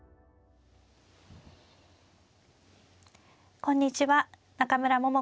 こんにちは中村桃子です。